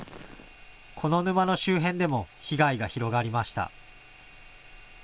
この沼の周辺でも被害が広がりました。